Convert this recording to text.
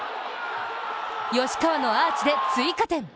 吉川のアーチで追加点。